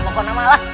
pokok nama lah